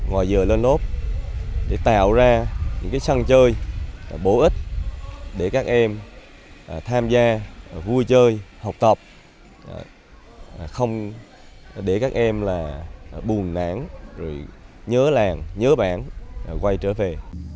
họ dựa lên ốp để tạo ra những sân chơi bổ ích để các em tham gia vui chơi học tập không để các em buồn nản nhớ làng nhớ bản quay trở về